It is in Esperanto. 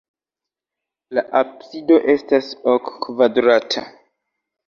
La absido estas ok-kvadrata.